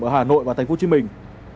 ở hà nội và thành phố hồ chí minh